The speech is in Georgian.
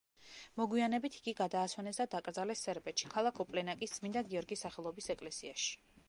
მოგვიანებით იგი გადაასვენეს და დაკრძალეს სერბეთში, ქალაქ ოპლენაკის წმინდა გიორგის სახელობის ეკლესიაში.